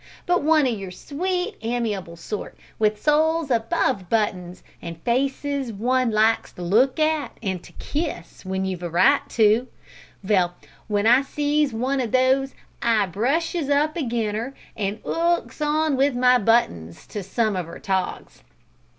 but one o' your sweet, amiable sort, with souls above buttons, an' faces one likes to look at and to kiss w'en you've a right to; vell, w'en I sees one o' these I brushes up again' 'er, an' 'ooks on with my buttons to some of 'er togs.